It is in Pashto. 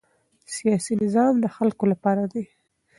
سیاسي نظام د خلکو لپاره دی